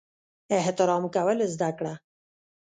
احترام کول زده کړه!